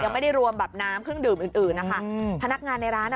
ไม่ได้รวมแบบน้ำเครื่องดื่มอื่นอื่นนะคะอืมพนักงานในร้านอ่ะ